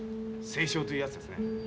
政商というやつですね。